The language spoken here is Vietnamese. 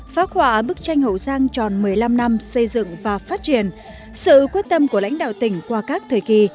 phá hoại bức tranh hậu giang tròn một mươi năm năm xây dựng và phát triển sự quyết tâm của lãnh đạo tỉnh qua các thời kỳ